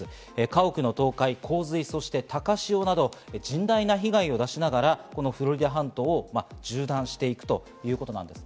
家屋の倒壊、洪水、そして高潮など、甚大な被害を出しながら、このフロリダ半島を縦断していくということなんです。